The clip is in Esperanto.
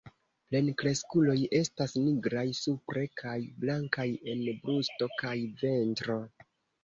Plenkreskuloj estas nigraj supre kaj blankaj en brusto kaj ventro.